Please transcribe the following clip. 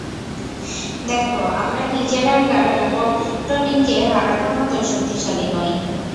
দেখ, আমরা নিজেরা একা রোবটনিককে হারানোর মতো শক্তিশালী নই।